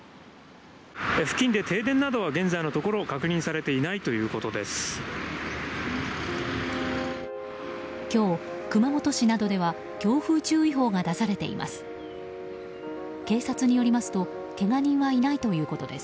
付近で停電などは現在のところ確認されていないということです。